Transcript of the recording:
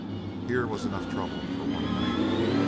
Here was enough trouble for one night.